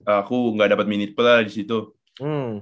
aku gak dapet mini pledge